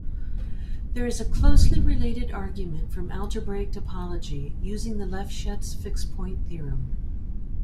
There is a closely related argument from algebraic topology, using the Lefschetz fixed-point theorem.